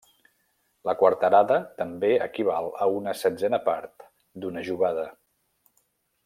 La quarterada també equival a una setzena part d'una jovada.